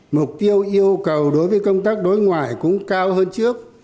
mục tiêu yêu cầu đối với công tác đối ngoại cũng cao hơn trước